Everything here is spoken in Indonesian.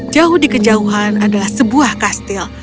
jauh di kejauhan adalah sebuah kastil